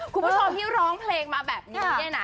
คุณผู้ชมที่ร้องเพลงมาแบบนี้เนี่ยนะ